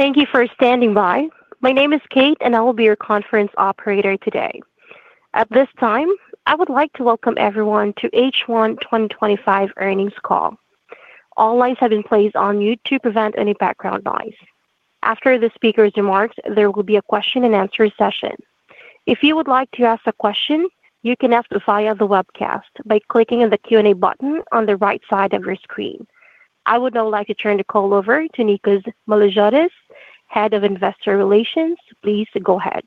Thank you for standing by. My name is Kate, and I will be your conference operator today. At this time, I would like to welcome everyone to H1 twenty twenty five Earnings Call. All lines have been placed on mute to prevent any background noise. After the speakers' remarks, there will be a question and answer session. I would now like to turn the call over to Nikos Malajores, Head of Investor Relations. Please go ahead.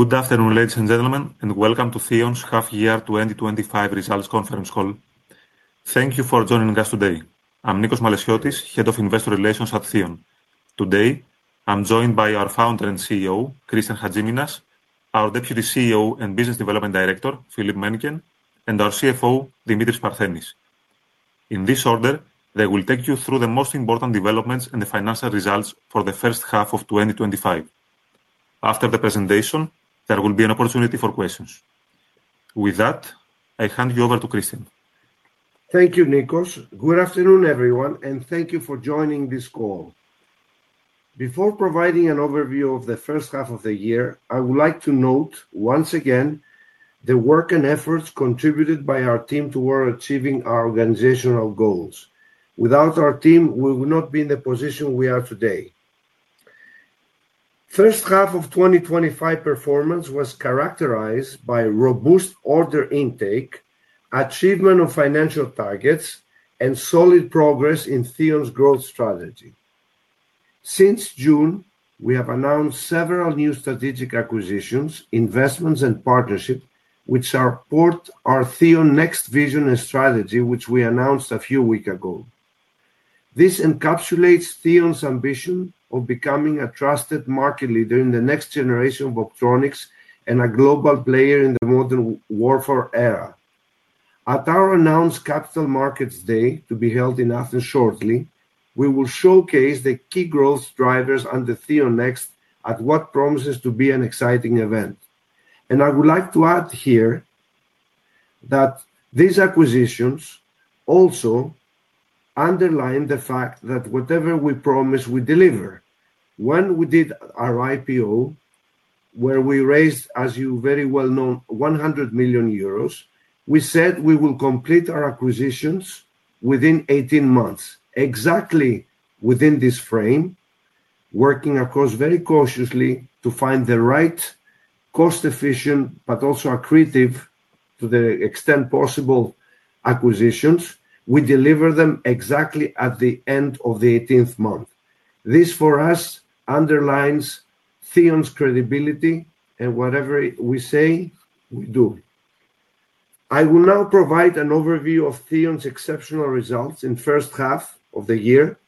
Good afternoon, ladies and gentlemen, and welcome to Theon's Half Year twenty twenty five Results Conference Call. Thank you for joining us today. I'm Nikos Malesiotis, Head of Investor Relations at Theon. Today, I'm joined by our founder and CEO, Christian Hajiminas our deputy CEO and business development director, Filip Menken and our CFO, Dimitris Parzenis. In this order, they will take you through the most important developments and the financial results for the 2025. After the presentation, there will be an opportunity for questions. With that, I hand you over to Christian. Thank you, Nikos. Good afternoon, everyone, and thank you for joining this call. Before providing an overview of the first half of the year, I would like to note once again the work and efforts contributed by our team toward achieving our organizational goals. Without our team, we would not be in the position we are today. 2025 performance was characterized by robust order intake, achievement of financial targets and solid progress in Theo's growth strategy. Since June, we have announced several new strategic acquisitions, investments and partnership, which support our Theon next vision and strategy, which we announced a few week ago. This encapsulates Theon's ambition of becoming a trusted market leader in the next generation of optronics and a global player in the modern warfare era. At our announced Capital Markets Day to be held in Athens shortly, we will showcase the key growth drivers under TheoNext at what promises to be an exciting event. And I would like to add here that these acquisitions also underline the fact that whatever we promise, we deliver. When we did our IPO where we raised, as you very well know, €100,000,000, we said we will complete our acquisitions within eighteen months, exactly within this frame, working across very cautiously to find the right cost efficient, but also accretive to the extent possible acquisitions, we deliver them exactly at the end of the eighteenth month. This for us underlines Theon's credibility and whatever we say, we do. I will now provide an overview of Theon's exceptional results in first half of the year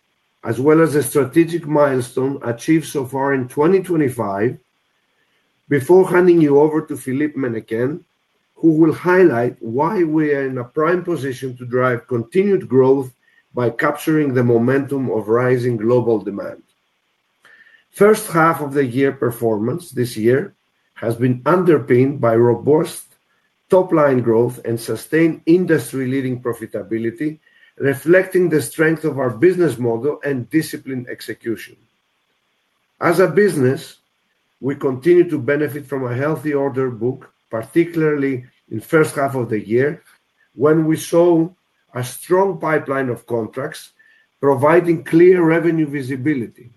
as well as the strategic milestone achieved so far in 2025 before handing you over to Philippe Meniquen, who will highlight why we are in a prime position to drive continued growth by capturing the momentum of rising global demand. First half of the year performance this year has been underpinned by robust top line growth and sustained industry leading profitability, reflecting the strength of our business model and disciplined execution. As a business, we continue to benefit from a healthy order book, particularly in first half of the year when we saw a strong pipeline of contracts providing clear revenue visibility.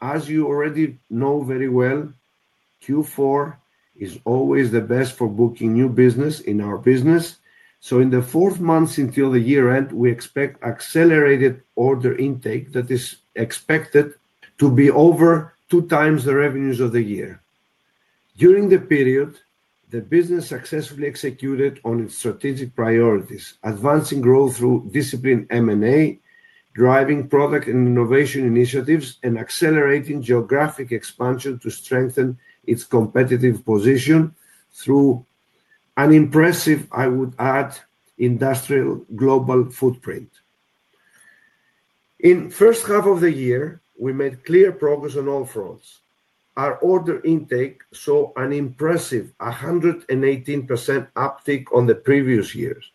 As you already know very well, Q4 is always the best for booking new business in our business. So in the fourth months until the year end, we expect accelerated order intake that is expected to be over two times the revenues of the year. During the period, the business successfully executed on its strategic priorities, advancing growth through disciplined M and A, driving product and innovation initiatives and accelerating geographic expansion to strengthen its competitive position through an impressive, I would add, industrial global footprint. In first half of the year, we made clear progress on all fronts. Our order intake saw an impressive 118% uptick on the previous years,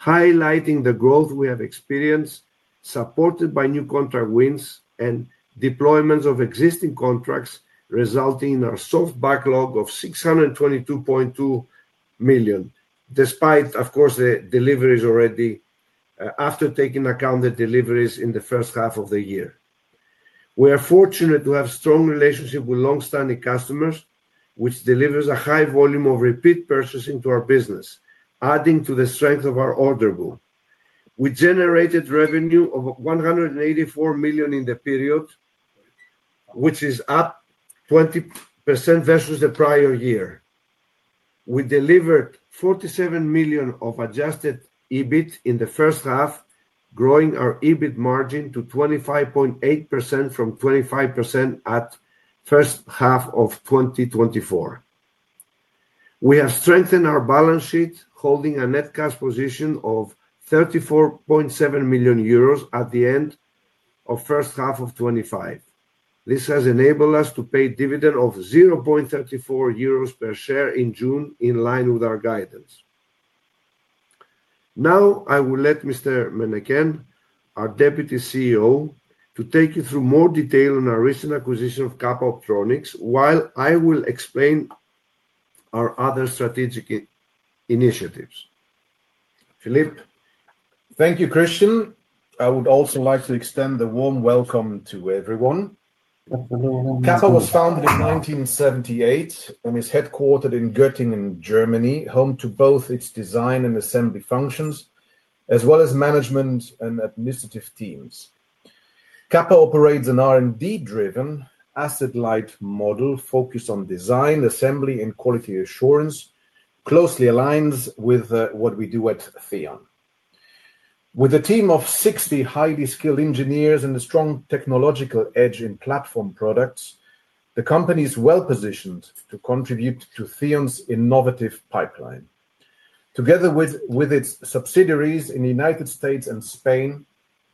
highlighting the growth we have experienced, supported by new contract wins and deployments of existing contracts resulting in our soft backlog of $622,200,000 despite, of course, the deliveries already after taking account the deliveries in the first half of the year. We are fortunate to have strong relationship with long standing customers, which delivers a high volume of repeat purchasing to our business, adding to the strength of our order book. We generated revenue of $184,000,000 in the period, which is up 20% versus the prior year. We delivered $47,000,000 of adjusted EBIT in the first half, growing our EBIT margin to 25.8% from 25% at 2024. We have strengthened our balance sheet, holding a net cash position of €34,700,000 at the end of 2025. This has enabled us to pay dividend of €0.34 per share in June in line with our guidance. Now I will let Mr. Menneken, our Deputy CEO, to take you through more detail on our recent acquisition of Capa Optronics, while I will explain our other strategic initiatives. Philippe? Thank you, Christian. I would also like to extend a warm welcome to everyone. Kafka was founded in 1978 and is headquartered in Gottingen, Germany, home to both its design and assembly functions as well as management and administrative teams. Kappa operates an r and d driven asset light model focused on design, assembly, and quality assurance closely aligns with what we do at Theon. With a team of 60 highly skilled engineers and a strong technological edge in platform products, the company is well positioned to contribute to Theon's innovative pipeline. Together with with its subsidiaries in The United States and Spain,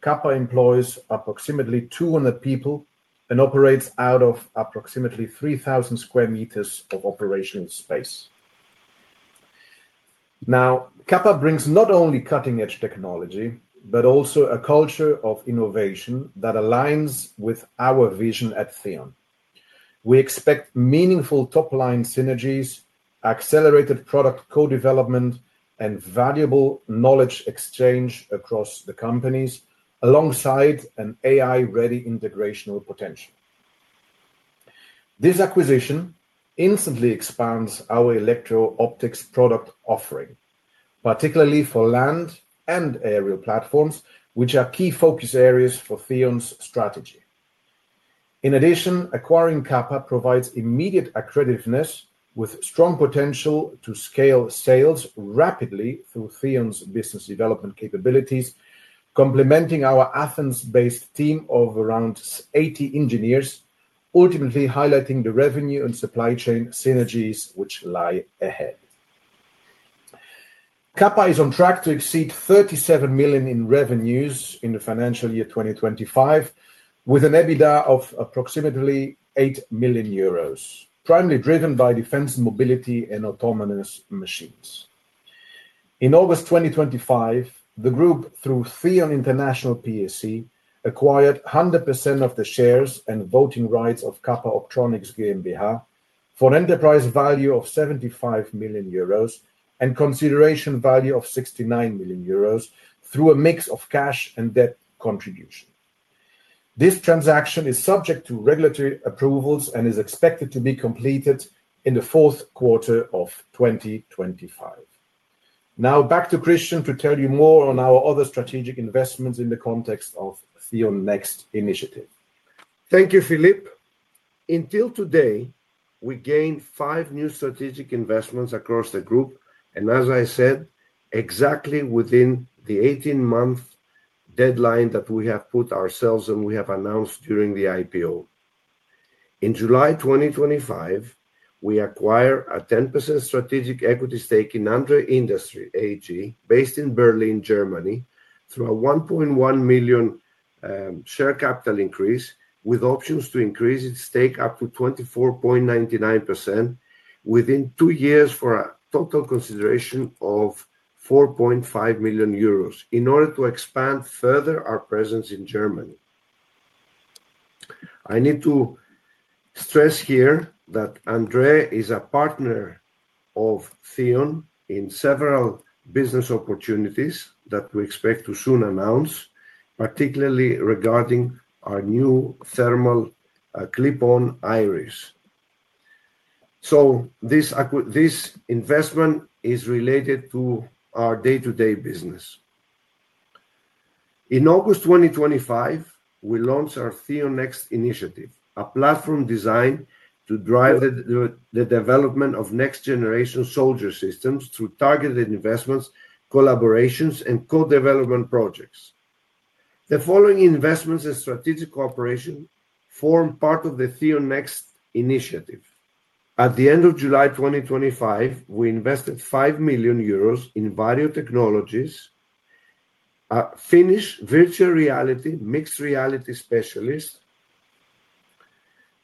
Kappa employs approximately 200 people and operates out of approximately 3,000 square meters of operational space. Now Kappa brings not only cutting edge technology, but also a culture of innovation that aligns with our vision at Theon. We expect meaningful top line synergies, accelerated product co development, and valuable knowledge exchange across the companies alongside an AI ready integration with potential. This acquisition instantly expands our electro optics product offering, particularly for land and aerial platforms, which are key focus areas for Theon's strategy. In addition, acquiring Kappa provides immediate accretiveness strong potential to scale sales rapidly through Theon's business development capabilities, complementing our Athens based team of around 80 engineers, ultimately highlighting the revenue and supply chain synergies which lie ahead. Capa is on track to exceed 37,000,000 in revenues in the financial year 2025 with an EBITDA of approximately €8,000,000, primarily driven by defense mobility and autonomous machines. In August 2025, the group, through Fion International PSC, acquired 100% of the shares and voting rights of Kappa Optronics GNBHA for an enterprise value of €75,000,000 and consideration value of €69,000,000 through a mix of cash and debt contribution. This transaction is subject to regulatory approvals and is expected to be completed in the 2025. Now back to Christian to tell you more on our other strategic investments in the context of See You Next initiative. Thank you, Philippe. Until today, we gained five new strategic investments across the group. And as I said, exactly within the eighteen month deadline that we have put ourselves and we have announced during the IPO. In July 2025, we acquired a 10% strategic equity stake in Andre Industry AG based in Berlin, Germany through a 1,100,000.0 share capital increase with options to increase its stake up to 24.99% within two years for a total consideration of €4,500,000 in order to expand further our presence in Germany. I need to stress here that Andre is a partner of Theon in several business opportunities that we expect to soon announce, particularly regarding our new thermal clip on iris. So this investment is related to our day to day business. In August 2025, we launched our TheoNext initiative, a platform designed to drive the the development of next generation soldier systems through targeted investments, collaborations, and co development projects. The following investments and strategic cooperation form part of the TheoNext initiative. At the July 2025, we invested €5,000,000 in value technologies, a Finnish virtual reality, mixed reality specialist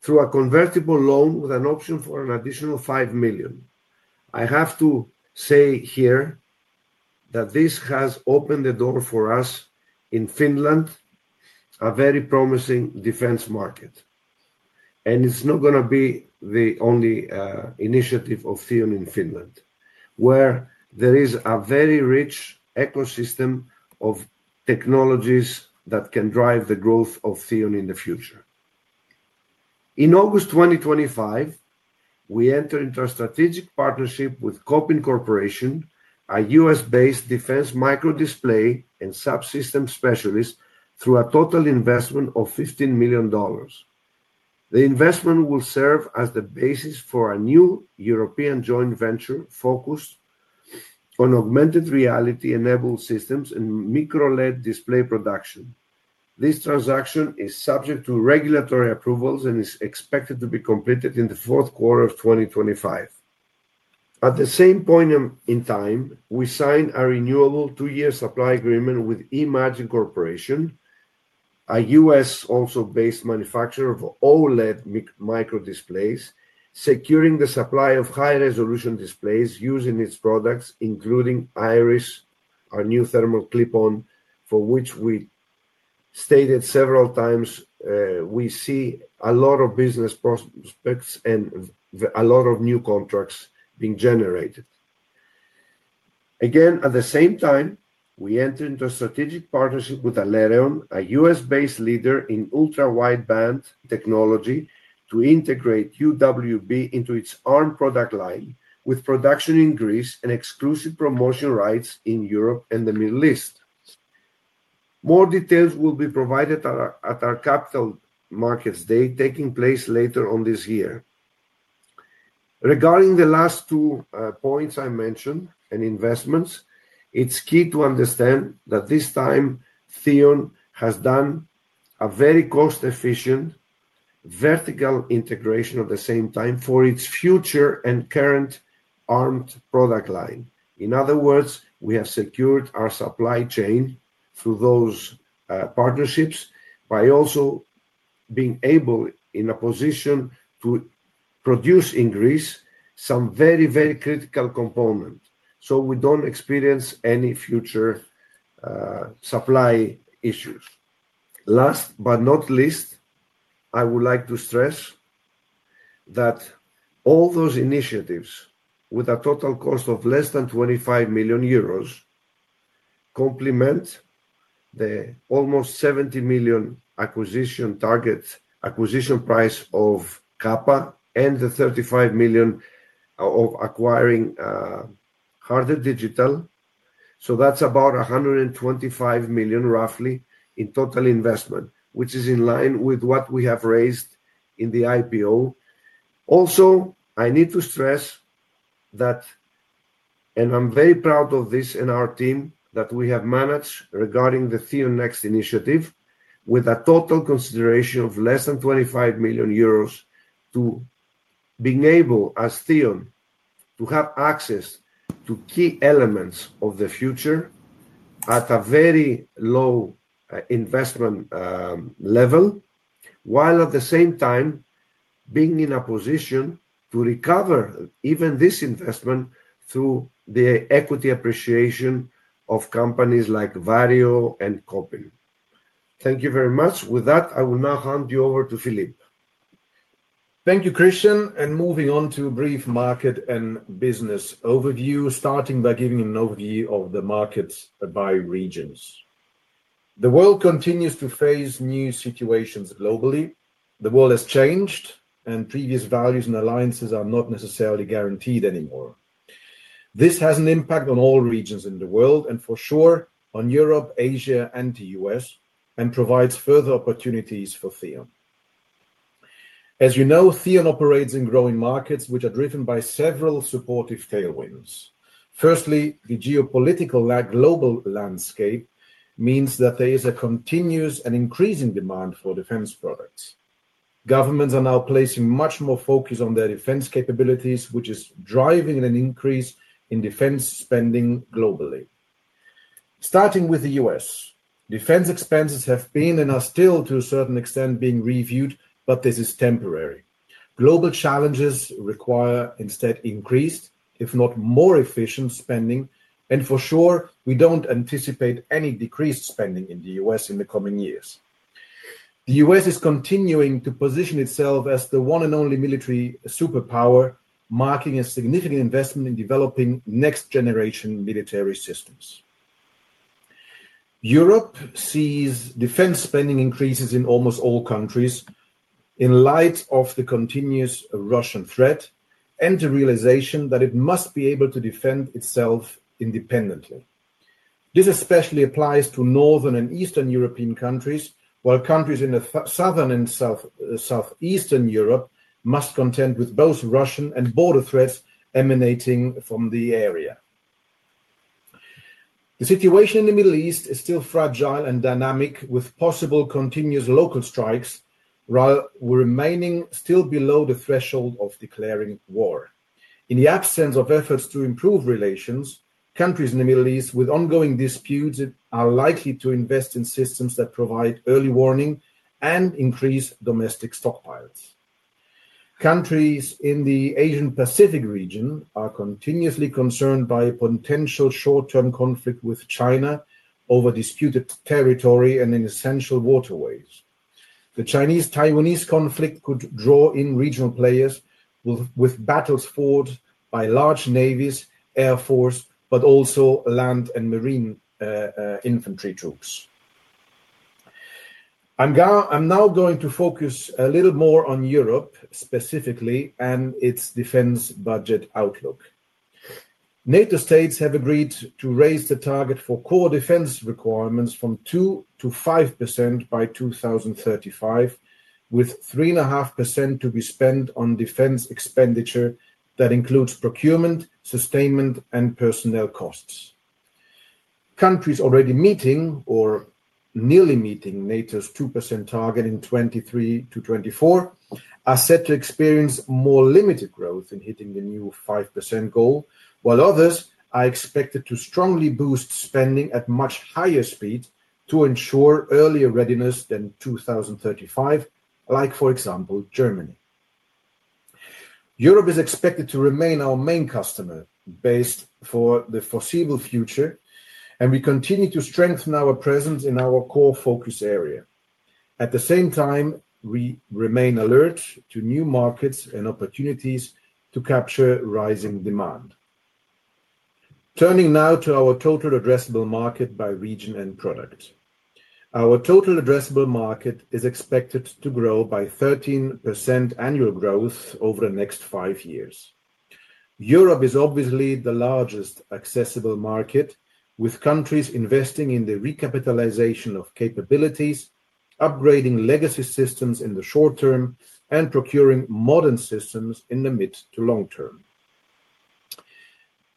through a convertible loan with an option for an additional 5,000,000. I have to say here that this has opened the door for us in Finland, a very promising defense market. And it's not gonna be the only initiative of film in Finland, where there is a very rich ecosystem of technologies that can drive the growth of Theon in the future. In August 2025, we entered into a strategic partnership with Kopin Corporation, a U. S.-based defense microdisplay and subsystem specialist through a total investment of $15,000,000 The investment will serve as the basis for a new European joint venture focused on augmented reality enabled systems and micro LED display production. This transaction is subject to regulatory approvals and is expected to be completed in the 2025. At the same point in time, we signed a renewable two year supply agreement with eMagin Corporation, a US also based manufacturer of OLED microdisplays securing the supply of high resolution displays using its products, including Iris, our new thermal clip on for which we stated several times, see a lot of business prospects and a lot of new contracts being generated. Again, at the same time, we entered into a strategic partnership with Alerion, a U. S.-based leader in ultra wideband technology to integrate UWB into its ARM product line with production in Greece and exclusive promotion rights in Europe and The Middle East. More details will be provided at our Capital Markets Day taking place later on this year. Regarding the last two points I mentioned and investments, it's key to understand that this time, Theon has done a very cost efficient vertical integration at the same time for its future and current armed product line. In other words, we have secured our supply chain through those partnerships by also being able in a position to produce in Greece some very, very critical component. So we don't experience any future supply issues. Last but not least, I would like to stress that all those initiatives with a total cost of less than €25,000,000 complement the almost €70,000,000 acquisition target, acquisition price of Capa and the 35,000,000 of acquiring harder digital. So that's about a 125,000,000 roughly in total investment, which is in line with what we have raised in the IPO. Also, I need to stress that, and I'm very proud of this and our team that we have managed regarding the TheoNext initiative with a total consideration of less than €25,000,000 to being able, as Theon, to have access to key elements of the future at a very low investment level, while at the same time being in a position to recover even this investment through the equity appreciation of companies like Vario and Kopin. Thank you very much. With that, I will now hand you over to Philippe. Thank you, Christian. And moving on to a brief market and business overview starting by giving an overview of the markets by regions. The world continues to face new situations globally. The world has changed and previous values and alliances are not necessarily guaranteed anymore. This has an impact on all regions in the world and for sure on Europe, Asia, and The US and provides further opportunities for Theon. As you know, Theon operates in growing markets which are driven by several supportive tailwinds. Firstly, the geopolitical lag global landscape means that there is a continuous and increasing demand for defense products. Governments are now placing much more focus on their defense capabilities, which is driving an increase in defense spending globally. Starting with The US, defense expenses have been and are still to a certain extent being reviewed, but this is temporary. Global challenges require instead increased, if not more efficient spending. And for sure, we don't anticipate any decreased spending in The US in the coming years. The US is continuing to position itself as the one and only military superpower, marking a significant investment in developing next generation military systems. Europe sees defense spending increases in almost all countries in light of the continuous Russian threat and the realization that it must be able to defend itself independently. This especially applies to Northern and Eastern European countries, while countries in the Southern and South Southeastern Europe must contend with both Russian and border threats emanating from the area. The situation in The Middle East is still fragile and dynamic with possible continuous local strikes while remaining still below the threshold of declaring war. In the absence of efforts to improve relations, countries in The Middle East with ongoing disputes are likely to invest in systems that provide early warning and increase domestic stockpiles. Countries in the Asian Pacific region are continuously concerned by potential short term conflict with China over disputed territory and in essential waterways. The Chinese Taiwanese conflict could draw in regional players with with battles forged by large navies, air force, but also land and marine infantry troops. I'm now going to focus a little more on Europe specifically and its defense budget outlook. NATO states have agreed to raise the target for core defense requirements from two to 5% by 2035 with 3.5% to be spent on defense expenditure that includes procurement, sustainment, and personnel costs. Countries already meeting or nearly meeting NATO's 2% target in twenty three to twenty four are set to experience more limited growth in hitting the new 5% goal, while others are expected to strongly boost spending at much higher speed to ensure earlier readiness than 02/1935, like, for example, Germany. Europe is expected to remain our main customer based for the foreseeable future, and we continue to strengthen our presence in our core focus area. At the same time, we remain alert to new markets and opportunities to capture rising demand. Turning now to our total addressable market by region and product. Our total addressable market is expected to grow by 13% annual growth over the next five years. Europe is obviously the largest accessible market with countries investing in the recapitalization of capabilities, upgrading legacy systems in the short term and procuring modern systems in the mid to long term.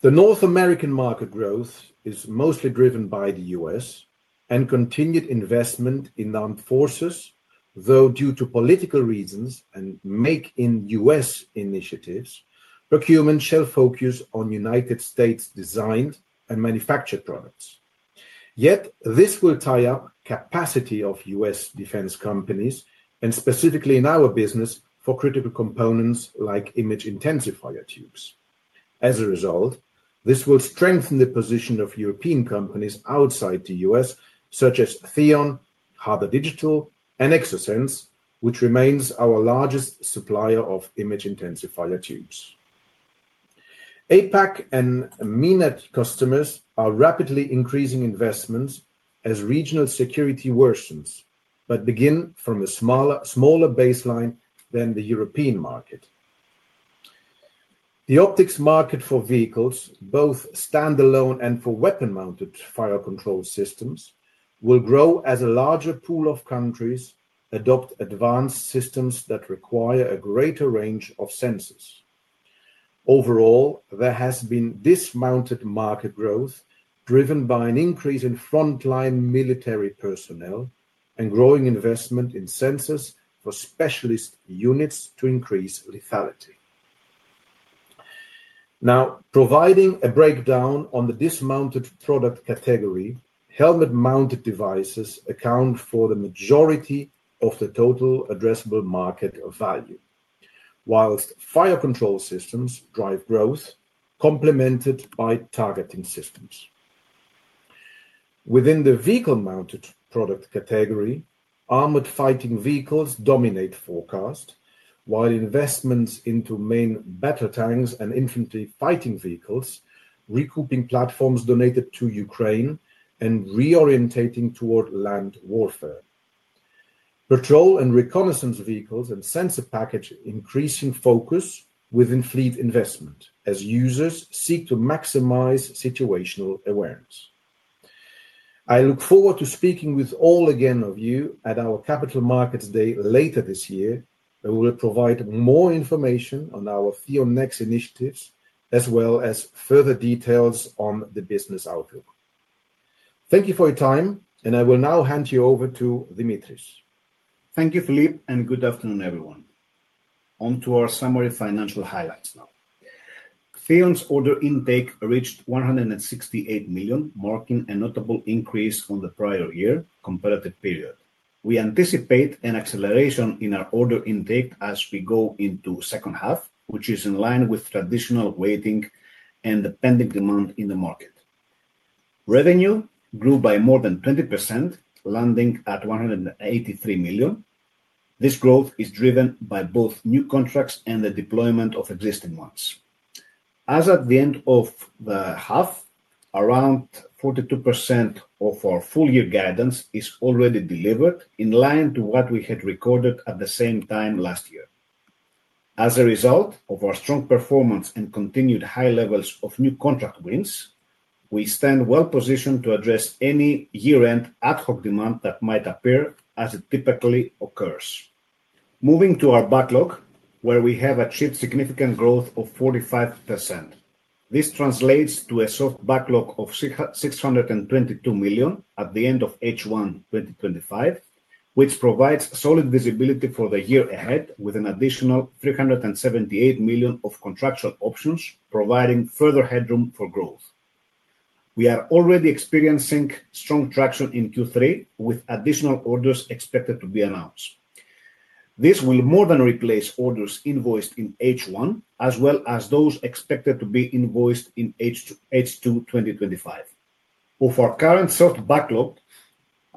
The North American market growth is mostly driven by The US and continued investment in armed forces, though due to political reasons and make in US initiatives, procurement shall focus on United States designed and manufactured products. Yet, this will tie up capacity of US defense companies and specifically in our business for critical components like image intensifier tubes. As a result, this will strengthen the position of European companies outside The US such as Theon, Haber Digital and Exosense, which remains our largest supplier of image intensifier tubes. APAC and MENAT customers are rapidly increasing investments as regional security worsens, but begin from a smaller baseline than the European market. The optics market for vehicles, both standalone and for weapon mounted fire control systems, will grow as a larger pool of countries adopt advanced systems that require a greater range of sensors. Overall, there has been dismounted market growth driven by an increase in frontline military personnel and growing investment in sensors for specialist units to increase lethality. Now, providing a breakdown on the dismounted product category, helmet mounted devices account for the majority of the total addressable market value. Whilst fire control systems drive growth complemented by targeting systems. Within the vehicle mounted product category, armored fighting vehicles dominate forecast, while investments into main battle tanks and infantry fighting vehicles, recouping platforms donated to Ukraine, and reorientating toward land warfare. Patrol and reconnaissance vehicles and sensor package increasing focus within fleet investment as users seek to maximize situational awareness. I look forward to speaking with all again of you at our Capital Markets Day later this year, who will provide more information on our TheoNEXT initiatives as well as further details on the business outlook. Thank you for your time, and I will now hand you over to Dimitris. Thank you, Philippe, and good afternoon, everyone. Onto our summary financial highlights now. Feon's order intake reached 168,000,000, marking a notable increase on the prior year comparative period. We anticipate an acceleration in our order intake as we go into second half, which is in line with traditional waiting and the pending demand in the market. Revenue grew by more than 20%, landing at 183,000,000. This growth is driven by both new contracts and the deployment of existing ones. As of the end of the half, around 42% of our full year guidance is already delivered in line to what we had recorded at the same time last year. As a result of our strong performance and continued high levels of new contract wins, we stand well positioned to address any year end ad hoc demand that might appear as it typically occurs. Moving to our backlog, where we have achieved significant growth of 45%. This translates to a soft backlog of €622,000,000 at the end of H1 twenty twenty five, which provides solid visibility for the year ahead with an additional €378,000,000 of contractual options, providing further headroom for growth. We are already experiencing strong traction in Q3 with additional orders expected to be announced. This will more than replace orders invoiced in H1 as well as those expected to be invoiced in H2 twenty twenty five. Of our current soft backlog,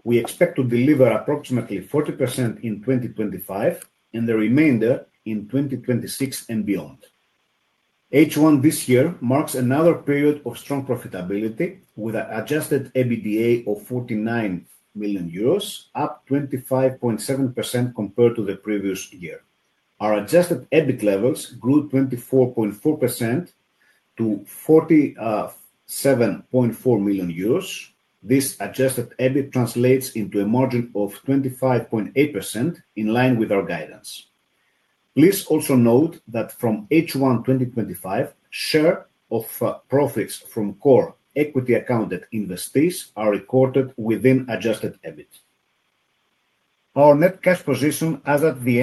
we expect to deliver approximately 40% in 2025 and the remainder in 2026 and beyond. H1 this year marks another period of strong profitability with an adjusted EBITDA of EUR 49,000,000, up 25.7% compared to the previous year. Our adjusted EBIT levels grew 24.4% to €47,400,000 This adjusted EBIT translates into a margin of 25.8%, in line with our guidance. Please also note that from H1 twenty twenty five, share of profits from core equity accounted in the space are recorded within adjusted EBIT. Our net cash position as of the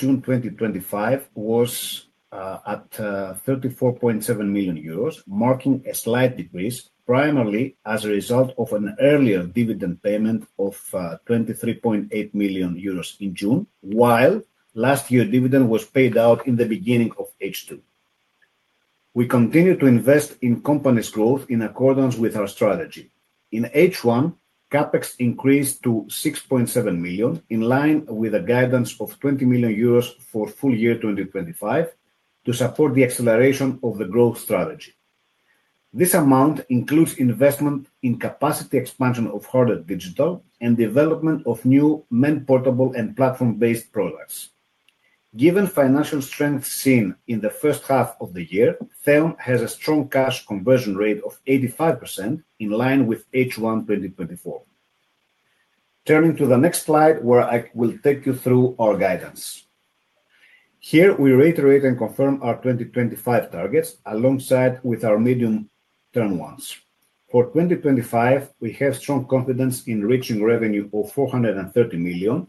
June 2025 was at €34,700,000, marking a slight decrease primarily as a result of an earlier dividend payment of €23,800,000 in June, while last year dividend was paid out in the beginning of H2. We continue to invest in company's growth in accordance with our strategy. In H1, CapEx increased to €6,700,000 in line with a guidance of €20,000,000 for full year 2025 to support the acceleration of the growth strategy. This amount includes investment in capacity expansion of hardware digital and development of new men portable and platform based products. Given financial strength seen in the first half of the year, CEOM has a strong cash conversion rate of 85%, in line with H1 twenty twenty four. Turning to the next slide where I will take you through our guidance. Here, we reiterate and confirm our 2025 targets alongside with our medium term ones. For 2025, we have strong confidence in reaching revenue of $430,000,000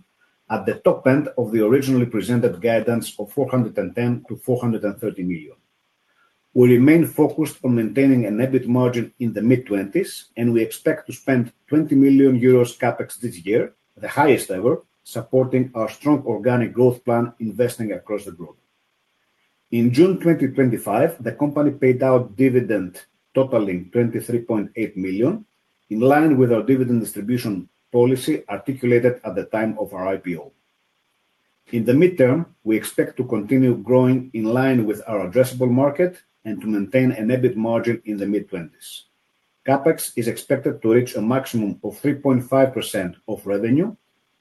at the top end of the originally presented guidance of $410,000,000 to €430,000,000 We remain focused on maintaining an EBIT margin in the mid-20s, and we expect to spend €20,000,000 CapEx this year, the highest ever, supporting our strong organic growth plan investing across the globe. In June 2025, the company paid out dividend totaling €23,800,000 in line with our dividend distribution policy articulated at the time of our IPO. In the midterm, we expect to continue growing in line with our addressable market and to maintain an EBIT margin in the mid-20s. CapEx is expected to reach a maximum of 3.5% of revenue,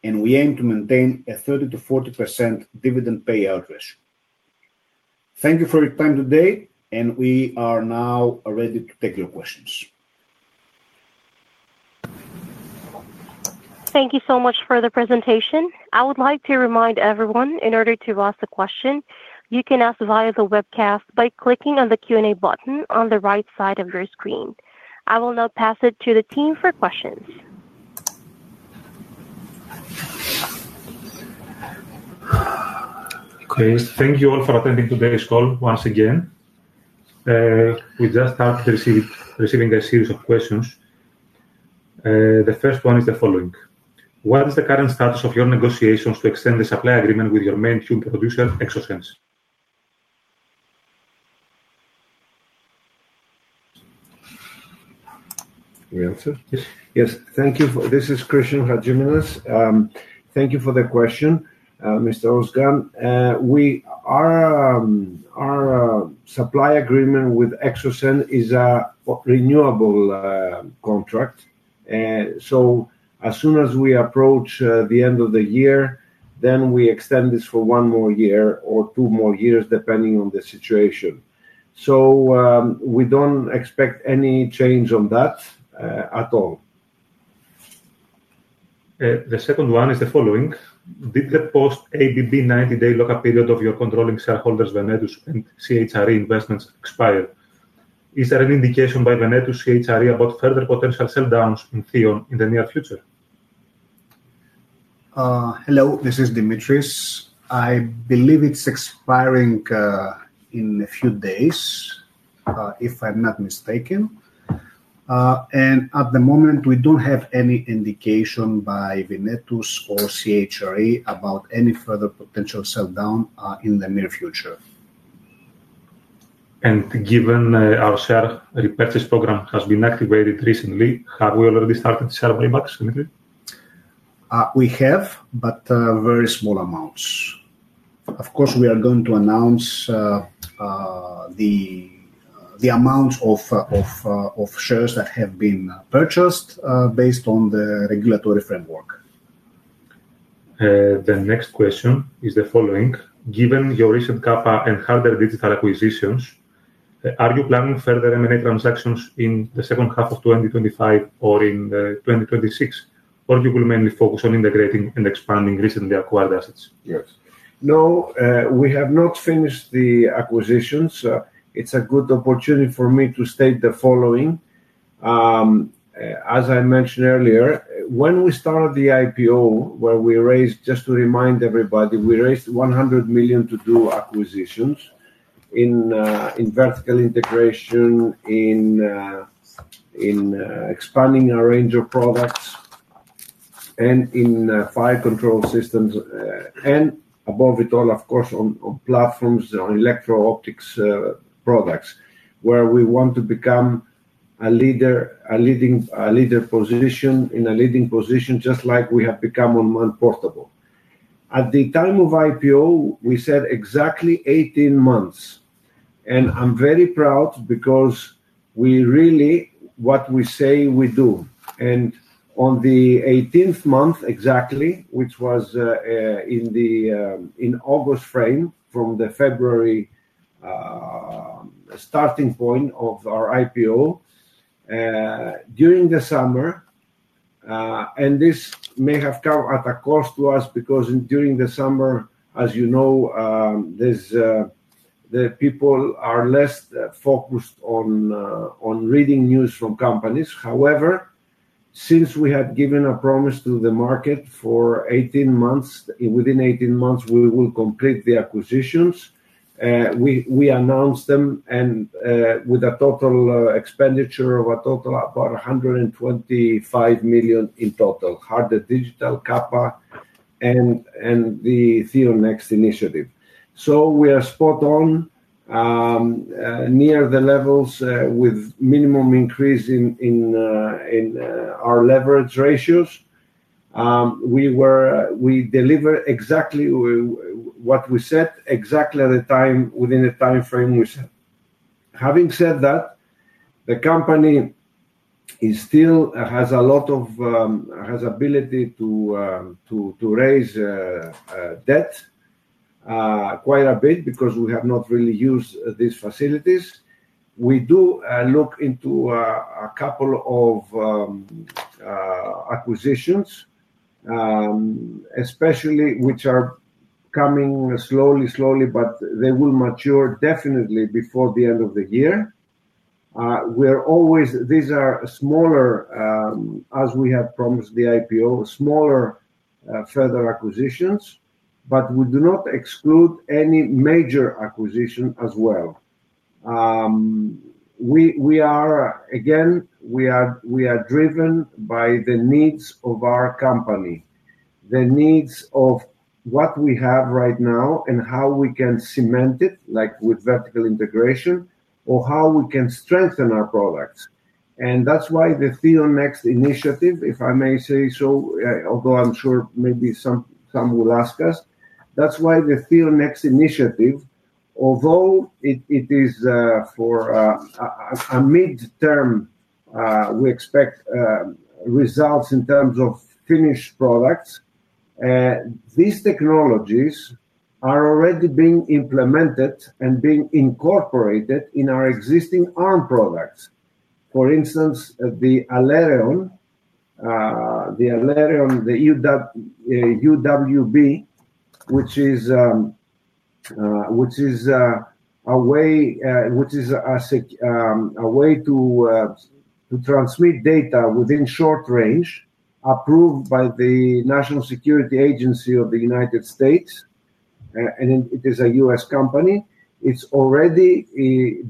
and we aim to maintain a 30% to 40% dividend payout ratio. Thank you for your time today, and we are now ready to take your questions. Thank you so much for the presentation. I will now pass it to the team for questions. Okay. Thank you all for attending today's call once again. We just have received receiving a series of questions. The first one is the following. What is the current status of your negotiations to extend the supply agreement with your main tube producer, Exoscience? Yes. Thank you. This is Christian Hagimelas. Thank you for the question, Mr. Oskar. We our supply agreement with Exocen is a renewable contract. So as soon as we approach the end of the year, then we extend this for one more year or two more years depending on the situation. So we don't expect any change on that at all. The second one is the following. Did the post ABB ninety day lockup period of your controlling shareholders, Venerto's and CHRE investments expire? Is there an indication by Venerto's CHRE about further potential sell downs in Theon in the near future? Hello. This is Dimitris. I believe it's expiring in a few days, if I'm not mistaken. And at the moment, we don't have any indication by Vinetus or CHRA about any further potential sell down in the near future. And given our share repurchase program has been activated recently, have we already started share buybacks, We have, but very small amounts. Of course, we are going to announce the the amount of of shares that have been purchased based on the regulatory framework. The next question is the following. Given your recent Kappa and how their digital acquisitions, are you planning further M and A transactions in the 2025 or in the 2026, or you will mainly focus on integrating and expanding recently acquired assets? Yes. No, we have not finished the acquisitions. It's a good opportunity for me to state the following. As I mentioned earlier, when we started the IPO, where we raised just to remind everybody, we raised 100,000,000 to do acquisitions in vertical integration, in expanding our range of products and in fire control systems and above it all, of course, on platforms on electro optics products, where we want to become a leader position in a leading position just like we have become on Man Portable. At the time of IPO, we said exactly eighteen months. And I'm very proud because we really what we say we do. And on the eighteenth month exactly, which was in the in August frame from the February starting point of our IPO, during the summer. And this may have come at a cost to us because during the summer, as you know, there's the people are less focused on reading news from companies. However, since we have given a promise to the market for eighteen months within eighteen months, we will complete the acquisitions. We announced them and with a total expenditure of a total of about $125,000,000 in total, harder digital, Kappa and the TheonNext initiative. So we are spot on, near the levels with minimum increase in our leverage ratios. We were we deliver exactly what we set exactly at a time within the time frame we set. Having said that, the company is still has a lot of has ability to raise debt quite a bit because we have not really used these facilities. We do look into a couple of acquisitions, especially which are coming slowly, slowly, but they will mature definitely before the end of the year. We're always these are smaller, as we have promised the IPO, smaller further acquisitions, but we do not exclude any major acquisition as well. We we are again, we are we are driven by the needs of our company, the needs of what we have right now and how we can cement it, like, with vertical integration or how we can strengthen our products. And that's why the ThionX initiative, if I may say so, although I'm sure maybe some some will ask us, that's why the ThionX initiative, although it it is for midterm, we expect results in terms of finished products. These technologies are already being implemented and being incorporated in our existing ARM products. For instance, the Alerion the u dub UWB, which is which is a way which is a a way to to transmit data within short range approved by the National Security Agency of the United States, and it is a US company. It's already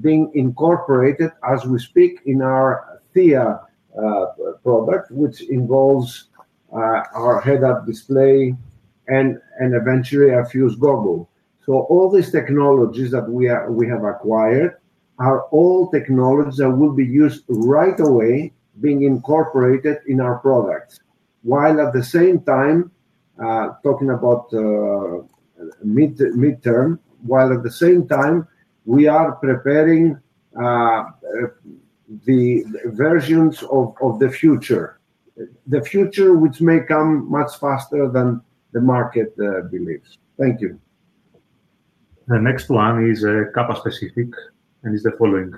being incorporated as we speak in our Thea product, which involves our head up display and and eventually our fuse goggle. So all these technologies that we are we have acquired are all technologies that will be used right away being incorporated in our products, while at the same time, talking about mid midterm, while at the same time, we are preparing the versions of of the future. The future which may come much faster than the market believes. Thank you. The next one is a Kappa specific and is the following.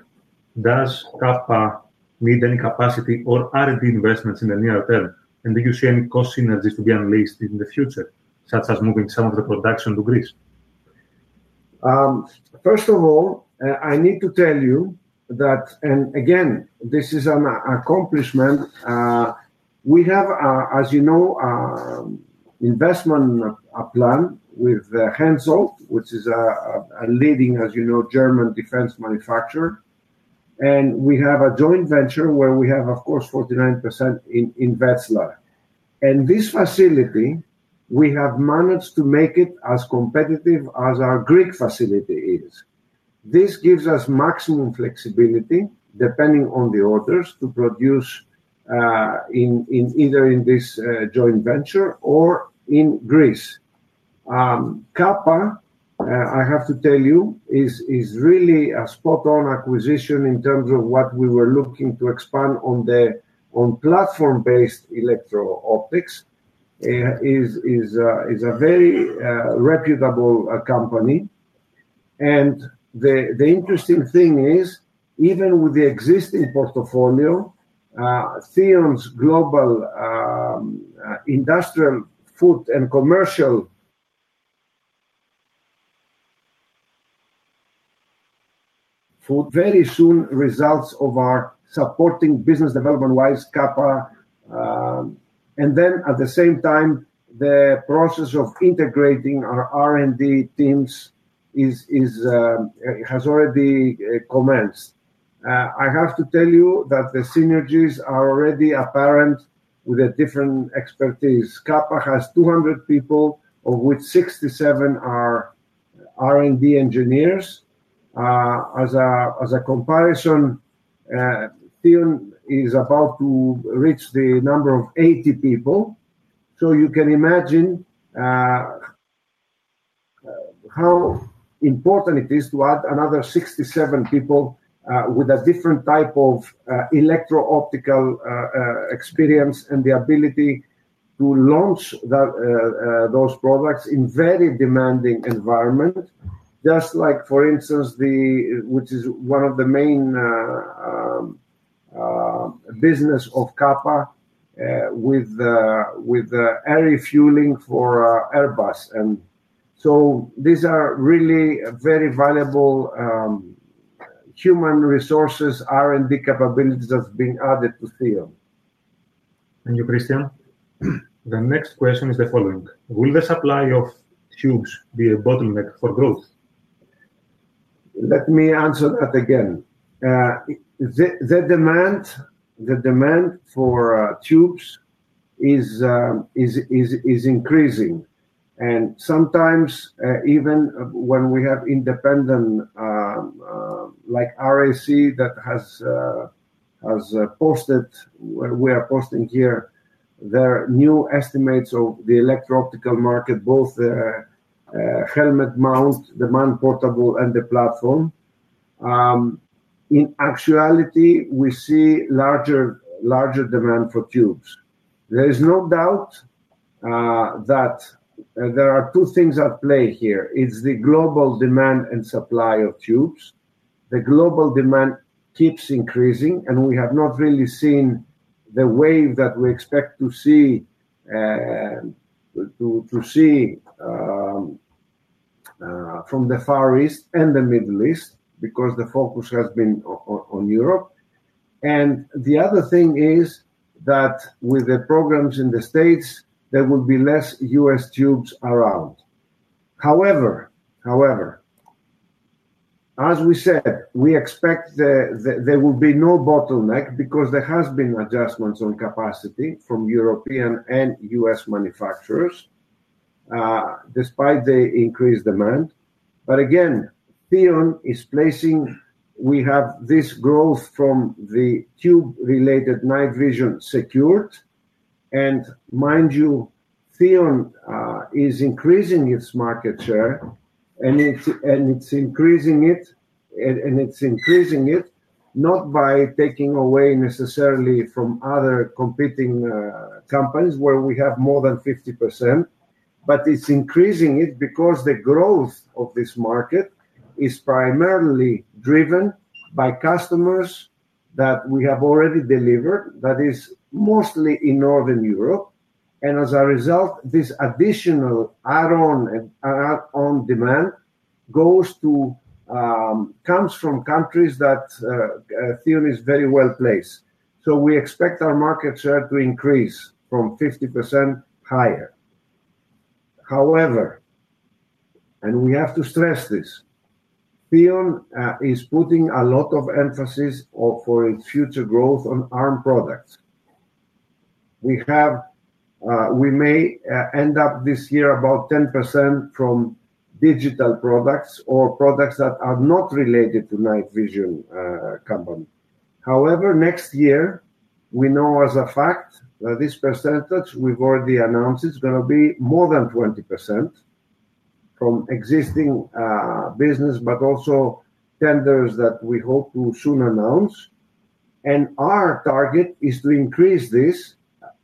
Does Kappa need any capacity or R and D investments in the near term? And do you see any cost synergies to be unleased in the future, such as moving some of the production to Greece? First of all, I need to tell you that and, again, this is an accomplishment. We have, as you know, investment plan with Hanselt, which is a leading, as you know, German defense manufacturer. And we have a joint venture where we have, of course, 49% in Wetzlar. And this facility, we have managed to make it as competitive as our Greek facility is. This gives us maximum flexibility depending on the orders to produce in in either in this joint venture or in Greece. Kappa, I have to tell you, is is really a spot on acquisition in terms of what we were looking to expand on the on platform based electro optics is is is a very reputable company. And the the interesting thing is even with the existing portfolio, Theon's global industrial food and commercial food very soon results of our supporting business development wise, Kappa. And then at the same time, the process of integrating our r and d teams is is has already commenced. I have to tell you that the synergies are already apparent with a different expertise. Capa has 200 people, of which 67 are r and d engineers. As a as a comparison, TIM is about to reach the number of 80 people. So you can imagine how important it is to add another 67 people with a different type of electro optical experience and the ability to launch that those products in very demanding environment. Just like, for instance, the which is one of the main business of Kappa with the with the air refueling for Airbus. And so these are really very valuable human resources, r and d capabilities that's being added to field. Thank you, Christian. The next question is the following. Will the supply of tubes be a bottleneck for growth? Let me answer that again. The the demand the demand for tubes is is is is increasing. And sometimes even when we have independent, like, RAC that has has posted we are posting here their new estimates of the electro optical market, both helmet mount, the man portable, and the platform. In actuality, we see larger larger demand for tubes. There is no doubt that there are two things at play here. It's the global demand and supply of tubes. The global demand keeps increasing, and we have not really seen the wave that we expect to see to to see from the Far East and The Middle East because the focus has been on Europe. And the other thing is that with the programs in The States, there will be less US tubes around. However, however, as we said, we expect that there will be no bottleneck because there has been adjustments on capacity from European and US manufacturers despite the increased demand. But again, Theon is placing we have this growth from the tube related night vision secured. And mind you, Theon is increasing its market share, and it's and it's increasing it, and and it's increasing it not by taking away necessarily from other competing companies where we have more than 50%, but it's increasing it because the growth of this market is primarily driven by customers that we have already delivered that is mostly in Northern Europe. As a result, this additional add on add on demand goes to comes from countries that theory is very well placed. So we expect our market share to increase from 50% higher. However, and we have to stress this, Pion is putting a lot of emphasis for its future growth on ARM products. We have we may end up this year about 10% from digital products or products that are not related to night vision company. However, next year, we know as a fact that this percentage, we've already announced, is gonna be more than 20% from existing business, but also tenders that we hope to soon announce. And our target is to increase this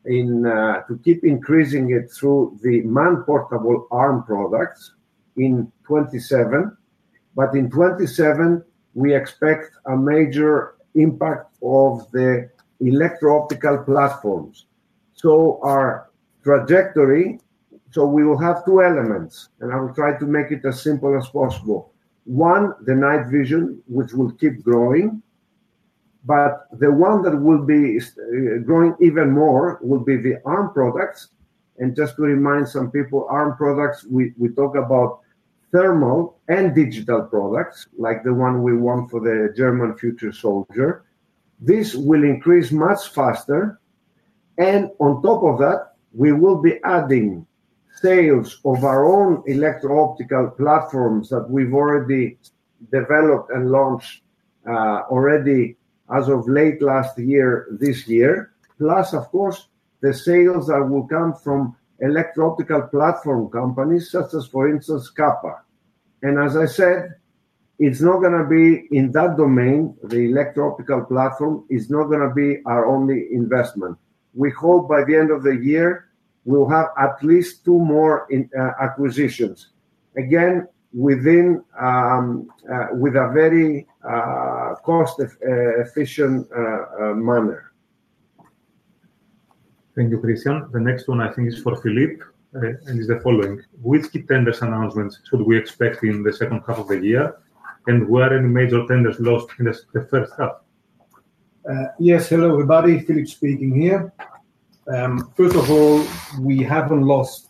in to keep increasing it through the man portable ARM products in '27. But in '27, we expect a major impact of the electro optical platforms. So our trajectory so we will have two elements, and I will try to make it as simple as possible. One, the night vision, which will keep growing, but the one that will be growing even more will be the ARM products. And just to remind some people, ARM products, we we talk about thermal and digital products like the one we want for the German future soldier. This will increase much faster. And on top of that, we will be adding sales of our own electro optical platforms that we've already developed and launched already as of late last year, this year, plus, of course, the sales that will come from electro optical platform companies such as, for instance, Kappa. And as I said, it's not gonna be in that domain. The electro optical platform is not gonna be our only investment. We hope by the end of the year, we'll have at least two more acquisitions. Again, within with a very cost efficient manner. Thank you, Christian. The next one, I think, is for Philippe, and is the following. Which key tenders announcements should we expect in the second half of the year, and where any major tenders lost in this the first half? Yes. Hello, everybody. Philip speaking here. First of all, we haven't lost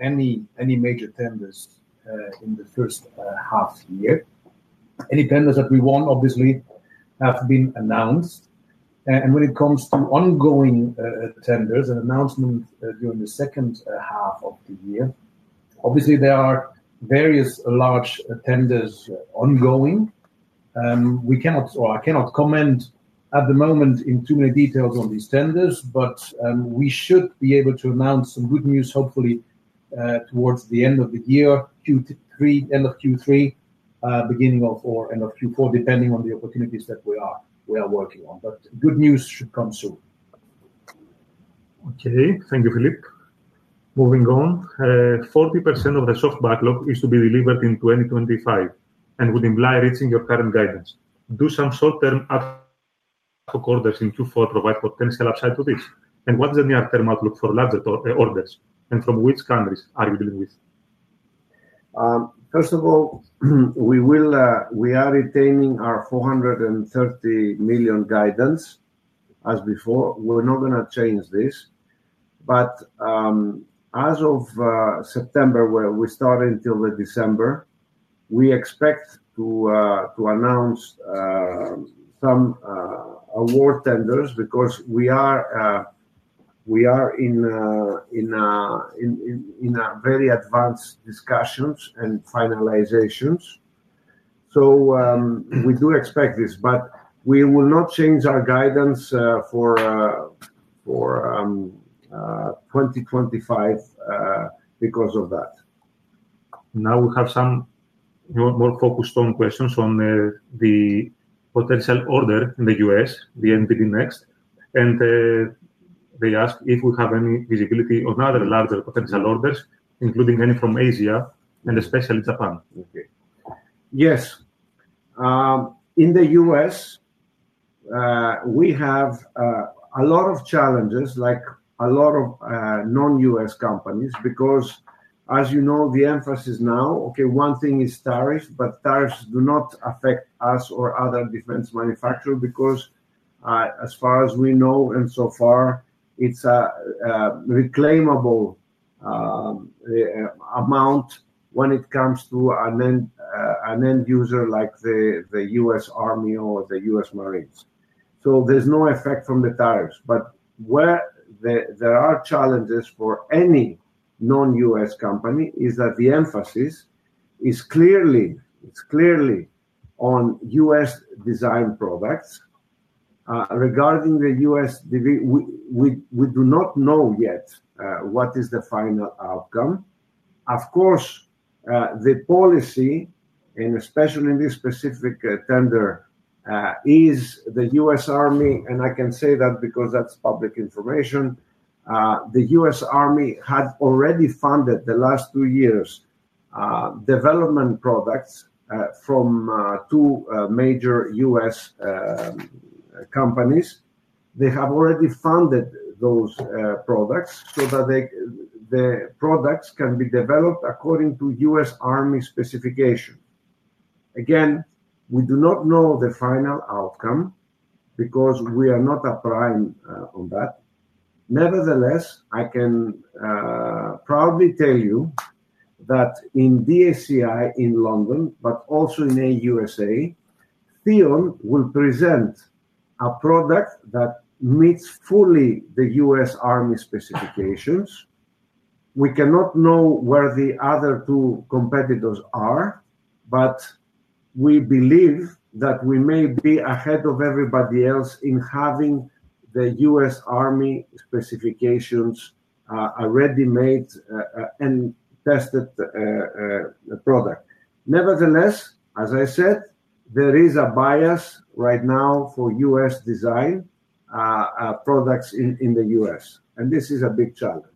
any any major tenders in the first half year. Any tenders that we won, obviously, have been announced. And when it comes to ongoing tenders and announcement during the second half of the year, obviously, there are various large tenders ongoing. We cannot so I cannot comment at the moment in too many details on these tenders, but we should be able to announce some good news hopefully towards the end of the year, q three '3, beginning of or '4 depending on the opportunities that we are we are working on. But good news should come soon. Okay. Thank you, Philippe. Moving on. 40% of the soft backlog is to be delivered in 2025 and would imply reaching your current guidance. Do some short term up of quarters in q four provide potential upside to this. And what's the near term outlook for larger orders? And from which countries are you dealing with? First of all, we will we are retaining our 430,000,000 guidance as before. We're not gonna change this. But as of September, where we started until the December, we expect to to announce some award tenders because we are we are in a very advanced discussions and finalizations. So we do expect this, but we will not change our guidance for 2025 because of that. Now we have some more more focused on questions on the potential order in The US, the NPD next, and they ask if we have any visibility of other larger potential orders, including any from Asia and especially Japan. Okay. Yes. In The US, we have a lot of challenges like a lot of non US companies because, as you know, the emphasis now okay. One thing is tariffs, but tariffs do not affect us or other defense manufacturer because as far as we know and so far, it's a reclaimable amount when it comes to an end an end user like the the US army or the US marines. So there's no effect from the tariffs. But where the there are challenges for any non US company is that the emphasis is clearly is clearly on US design products. Regarding The US we we do not know yet what is the final outcome. Of course, the policy, and especially in this specific tender, is the US Army, and I can say that because that's public information. The US Army had already funded the last two years development products from two major US companies. They have already funded those products so that the products can be developed according to US Army specification. Again, we do not know the final outcome because we are not a prime on that. Nevertheless, I can proudly tell you that in DSCI in London, but also in a USA, Theon will present a product that meets fully the US army specifications. We cannot know where the other two competitors are, but we believe that we may be ahead of everybody else in having the US army specifications already made and tested product. Nevertheless, as I said, there is a bias right now for US design products in in The US, and this is a big challenge.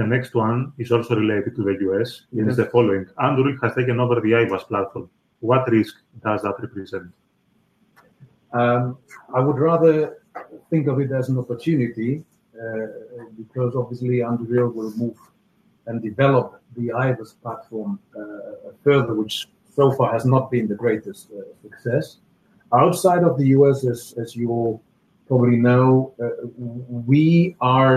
The next one is also related to The US. It is the following. Andrew has taken over the iWAS platform. What risk does that represent? I would rather think of it as an opportunity because, obviously, UnderReal will move and develop the Ibis platform further, which so far has not been the greatest success. Outside of The US, as as you probably know, we are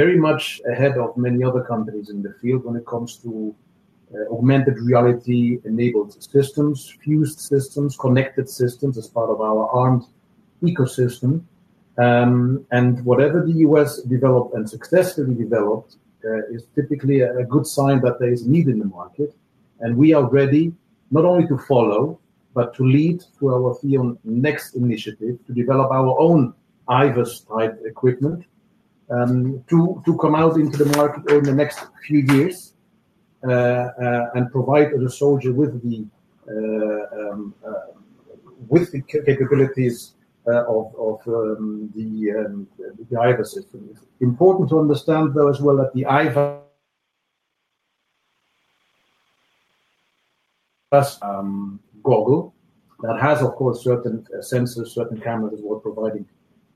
very much ahead of many other companies in the field when it comes to augmented reality enabled systems, fused systems, connected systems as part of our armed ecosystem. And whatever The US developed and successfully developed is typically a good sign that there is need in the market. And we are ready not only to follow, but to lead to our next initiative to develop our own IVUS type equipment to to come out into the market over the next few years and provide the soldier with the with the capabilities of of the driver system. Important to understand though as well that the that's Goggle that has, of course, certain sensors, certain cameras that were providing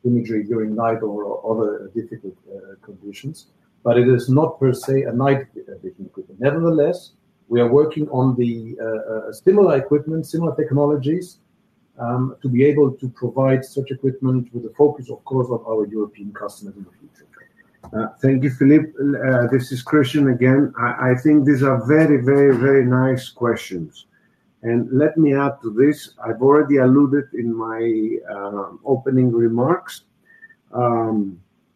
imagery during night or other difficult conditions, but it is not per se a night difficult. Nevertheless, we are working on the similar equipment, similar technologies to be able to provide such equipment with the focus, of course, of our European customers in the future. You, Philippe. This is Christian again. I think these are very, very, very nice questions. And let me add to this. I've already alluded in my opening remarks.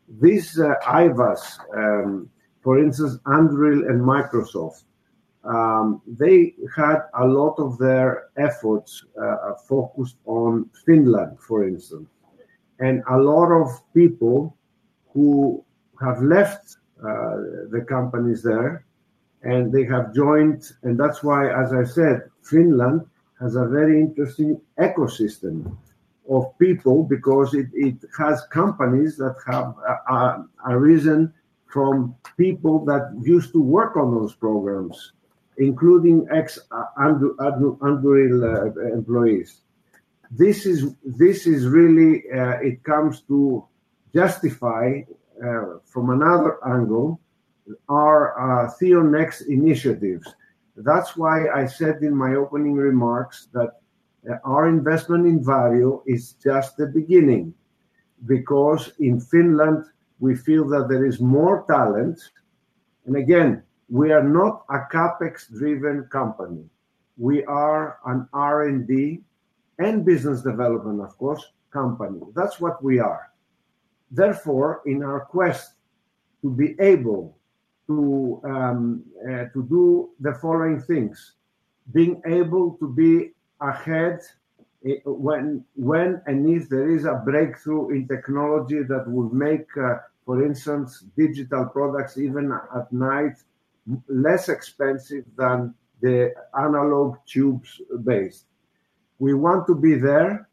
This IVAS, for instance, Andriel and Microsoft, they had a lot of their efforts focused on Finland, for instance. And a lot of people who have left the companies there, and they have joined. And that's why, as I said, Finland has a very interesting ecosystem of people because it it has companies that have a reason from people that used to work on those programs, including ex under under under employees. This is this is really it comes to justify from another angle our ThionX initiatives. That's why I said in my opening remarks that our investment in value is just the beginning because in Finland, we feel that there is more talent. And, we are not a CapEx driven company. We are an r and d and business development, of course, company. That's what we are. Therefore, in our quest to be able to to do the following things, being able to be ahead when when and if there is a breakthrough in technology that would make, for instance, digital products even night less expensive than the analog tubes based. We want to be there.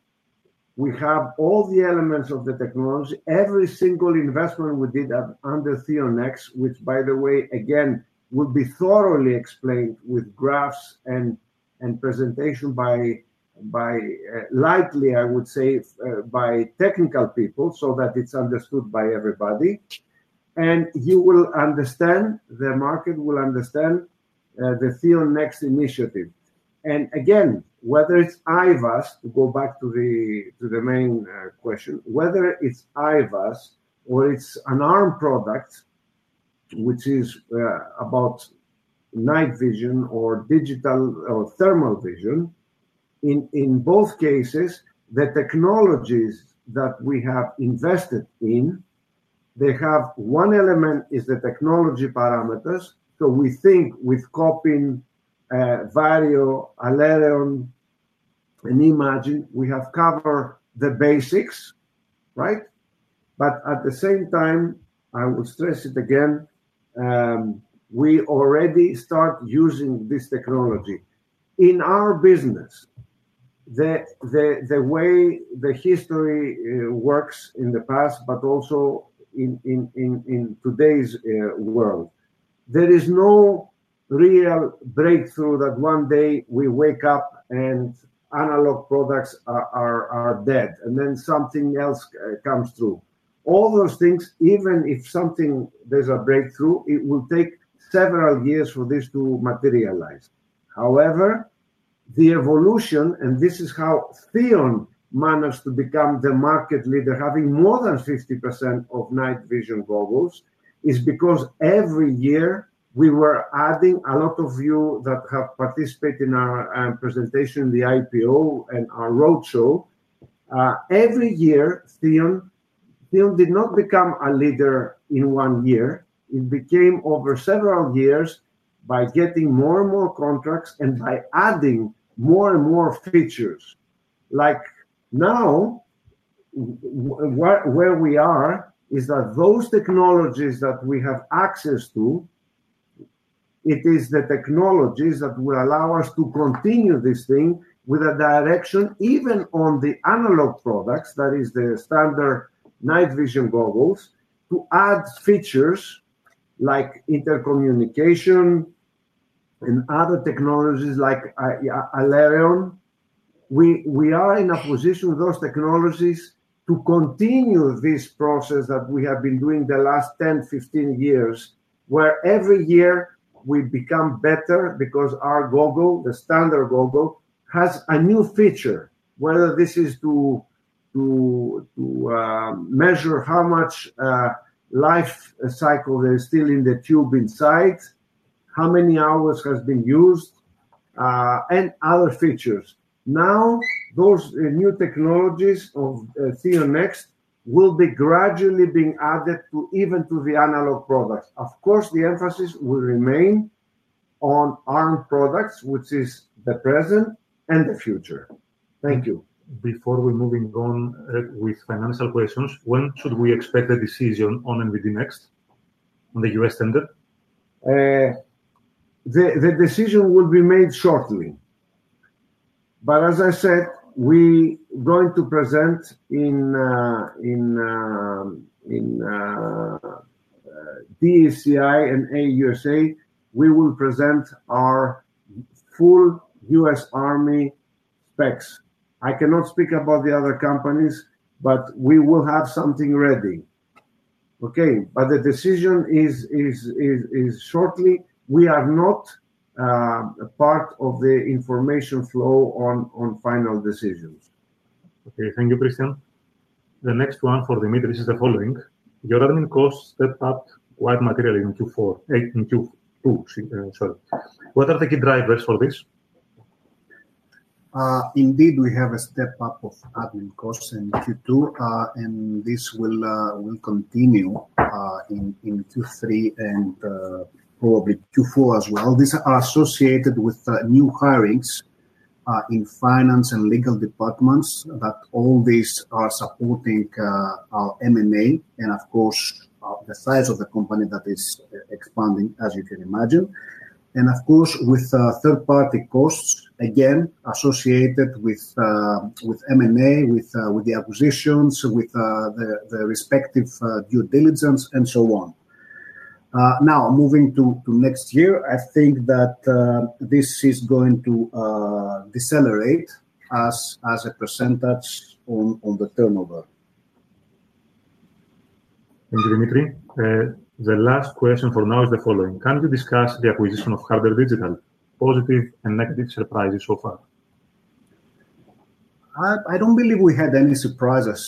We have all the elements of the technology. Every single investment we did under TheonX, which, by the way, again, would be thoroughly explained with graphs and and presentation by by likely, I would say, by technical people so that it's understood by everybody. And you will understand the market will understand the field next initiative. And, again, whether it's IVAS, to go back to the to the main question, whether it's IVAS or it's an ARM product, which is about night vision or digital or thermal vision. In in both cases, the technologies that we have invested in, they have one element is the technology parameters. So we think with copying value, and imagine, we have covered the basics. Right? But at the same time, I would stress it again, we already start using this technology. In our business, the the the way the history works in the past, but also in in in in today's world, There is no real breakthrough that one day we wake up and analog products are are are dead, and then something else comes through. All those things, even if something there's a breakthrough, it will take several years for this to materialize. However, the evolution, and this is how Theon managed to become the market leader having more than 50% of night vision goggles, is because every year, we were adding a lot of you that have participated in our presentation, the IPO, and our road show. Every year, Theon, Theon did not become a leader in one year. It became over several years by getting more and more contracts and by adding more and more features. Like, now where where we are is that those technologies that we have access to, it is the technologies that will allow us to continue this thing with a direction even on the analog products, that is the standard night vision goggles, to add features like intercommunication and other technologies like, yeah, Alerion, we we are in a position with those technologies to continue this process that we have been doing the last ten, fifteen years every year, we become better because our goggle, the standard goggle, has a new feature, whether this is to to to measure how much life cycle is still in the tube inside, how many hours has been used, and other features. Now those new technologies of ThionX will be gradually being added to even to the analog products. Of course, the emphasis will remain on ARM products, which is the present and the future. Thank you. Before we're moving on with financial questions, when should we expect the decision on NBD Next on The US tender? The the decision would be made shortly. But as I said, we going to present in in in the ACI and AUSA. We will present our full US army specs. I cannot speak about the other companies, but we will have something ready. Okay? But the decision is is is is shortly. We are not a part of the information flow on on final decisions. Okay. Thank you, Christian. The next one for the meter is the following. Your earning cost stepped up wide material in q four like, in Sure. What are the key drivers for this? Indeed, we have a step up of admin cost in q two, and this will will continue in in q three and probably q four as well. These are associated with new hirings in finance and legal departments that all these are supporting our m and a and, of course, the size of the company that is expanding as you can imagine. And, of course, with third party costs, again, associated with M and A, with with the acquisitions, with the the respective due diligence and so on. Now moving to to next year, I think that this is going to decelerate as as a percentage on on the turnover. Thank you, Dimitri. The last question for now is the following. Can we discuss the acquisition of Huddl Digital? Positive and negative surprises so far. I I don't believe we had any surprises,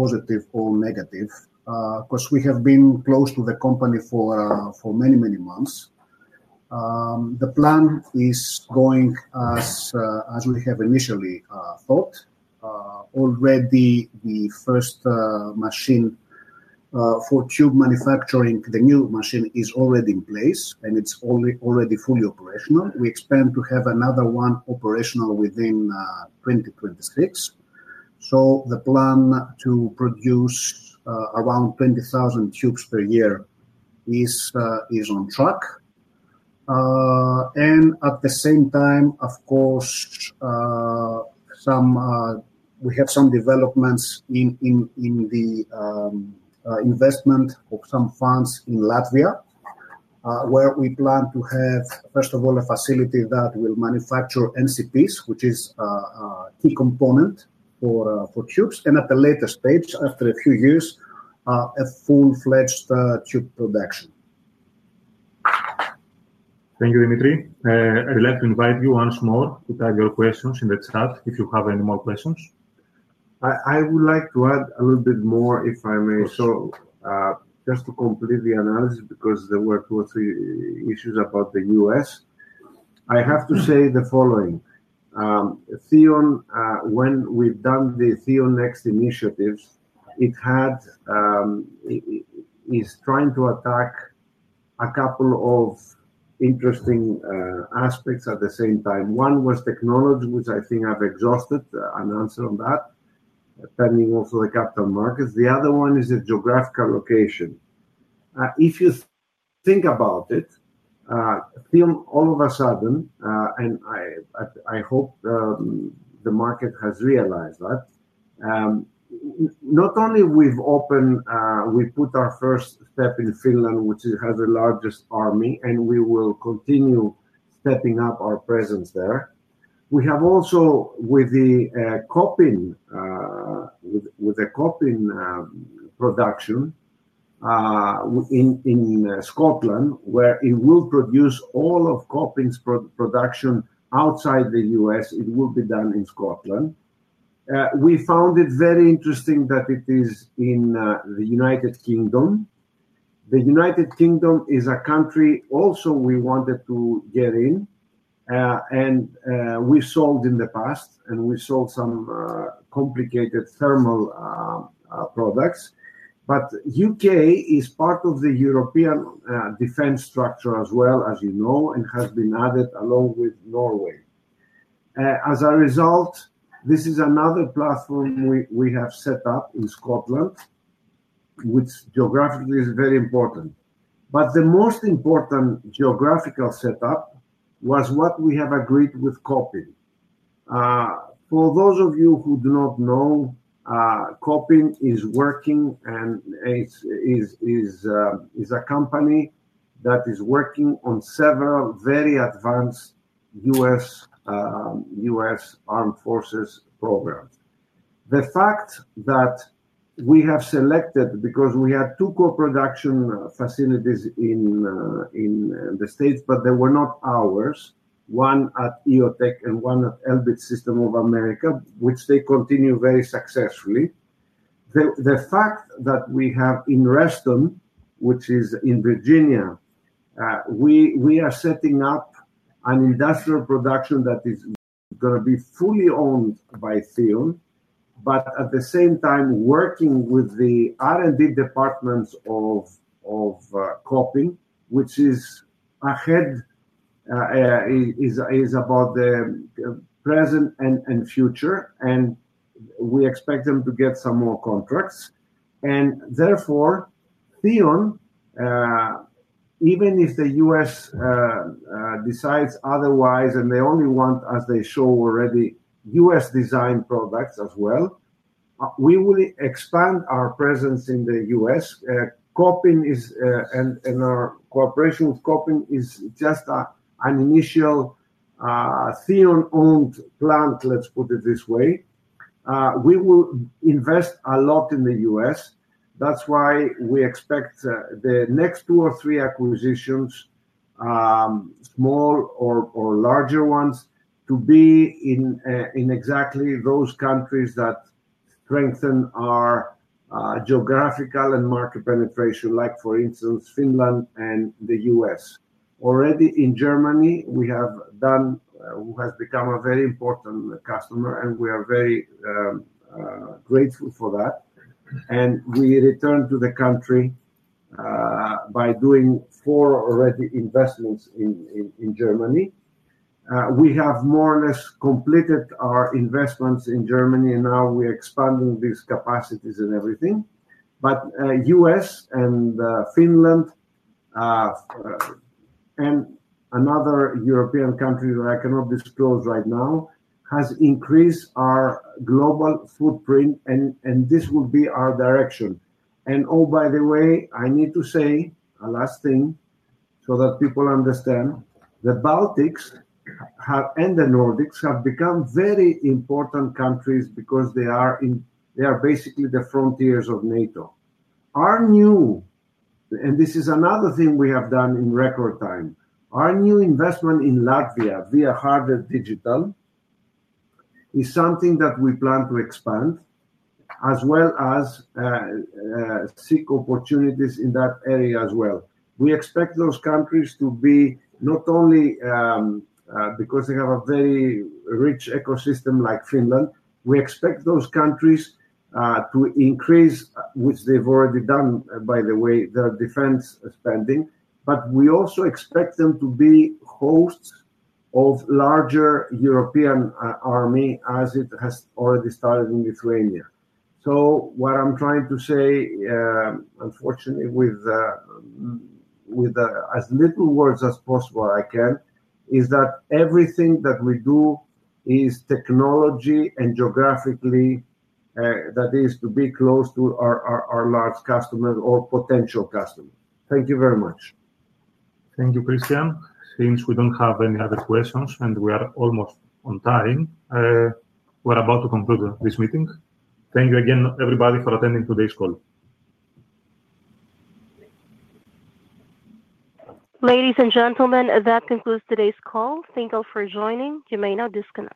positive or negative, because we have been close to the company for for many, many months. The plan is going as as we have initially thought. Already, the first machine for tube manufacturing, the new machine, is already in place, and it's only already fully operational. We expand to have another one operational within 2026. So the plan to produce around 20,000 tubes per year is is on track. And at the same time, of course, we have some developments in in in the investment of some funds in Latvia, where we plan to have, first of all, a facility that will manufacture NCP's, which is key component for for cubes, and at the later stage, after a few years, a full fledged tube production. Thank you, Dimitri. I'd like to invite you once more to tag your questions in the chat if you have any more questions. I I would like to add a little bit more, if I may. So just to complete the analysis because there were two or three issues about The US, I have to say the following. Theon, when we've done the TheonNext initiatives, it had it's trying to attack a couple of interesting aspects at the same time. One was technology, which I think I've exhausted an answer on that, turning also the capital markets. The other one is the geographical location. If you think about it, film all of a sudden, and I I hope the market has realized that, not only we've opened we put our first step in Finland, which has the largest army, and we will continue stepping up our presence there. We have also with the copping with with the copping production in in Scotland where it will produce all of copping's production outside The US. It will be done in Scotland. We found it very interesting that it is in The United Kingdom. The United Kingdom is a country also we wanted to get in, and we sold in the past, and we sold some complicated thermal products. But UK is part of the European defense structure as well, as you know, and has been added along with Norway. As a result, this is another platform we we have set up in Scotland, which geographically is very important. But the most important geographical setup was what we have agreed with COPIN. For those of you who do not know, COPIM is working and is is is is a company that is working on several very advanced US US armed forces program. The fact that we have selected because we have two coproduction facilities in in The States, but they were not ours, one at Eotech and one at Elbit System of America, which they continue very successfully. The the fact that we have in Reston, which is in Virginia, we we are setting up an industrial production that is gonna be fully owned by Theo, but at the same time, working with the r and d departments of of COPY, which is ahead is is about the present and and future, and we expect them to get some more contracts. And therefore, Theon, even if The US decides otherwise and they only want, as they show already, US designed products as well, We will expand our presence in The US. Coping is and and our cooperation with Coping is just an initial plant, let's put it this way. We will invest a lot in The US. That's why we expect the next two or three acquisitions, small or or larger ones, to be in in exactly those countries that strengthen our geographical and market penetration, like, for instance, Finland and The US. Already in Germany, we have done has become a very important customer, and we are very grateful for that. And we returned to the country by doing four already investments in in in Germany. We have more or less completed our investments in Germany, and now we're these capacities and everything. But US and Finland and another European country that I cannot disclose right now has increased our global footprint, and and this would be our direction. And, oh, by the way, I need to say a last thing so that people understand. The Baltics have and the Nordics have become very important countries because they are in they are basically the frontiers of NATO. Our new and this is another thing we have done in record time. Our new investment in Latvia via hardware digital is something that we plan to expand as well as seek opportunities in that area as well. We expect those countries to be not only because they have a very rich ecosystem like Finland. We expect those countries to increase, which they've already done, by the way, the defense spending, But we also expect them to be hosts of larger European army as it has already started in Lithuania. So what I'm trying to say, unfortunately, with with as little words as possible I can, is that everything that we do is technology and geographically that is to be close to our our our large customers or potential customer. Thank you very much. Thank you, Christian. Since we don't have any other questions and we are almost on time, we're about to conclude this meeting. Thank you again, everybody, for attending today's call. Ladies and gentlemen, that concludes today's call. Thank you all for joining. You may now disconnect.